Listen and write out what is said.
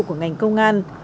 của ngành công an